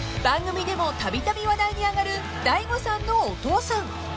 ［番組でもたびたび話題に上がる大悟さんのお父さん］